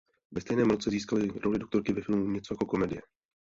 Ve stejném roce získala roli doktorky ve filmu "Něco jako komedie".